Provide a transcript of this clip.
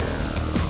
terima kasih wak